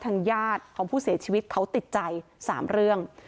ทางญาติของผู้เสียชีวิตเขาติดใจ๓เรื่อง